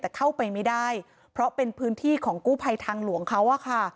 แต่เข้าไปไม่ได้เพราะเป็นพื้นที่ของกู้ภัยทางหลวงเขาอะค่ะ